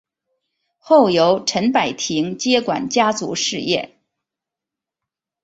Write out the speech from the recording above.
后由陈柏廷接管家族事业。